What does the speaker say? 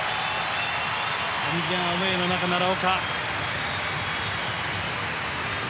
完全のアウェーの中、奈良岡。